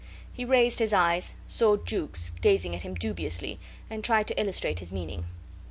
He raised his eyes, saw Jukes gazing at him dubiously, and tried to illustrate his meaning.